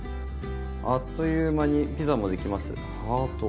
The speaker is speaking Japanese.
「あっという間にピザもできますハート」。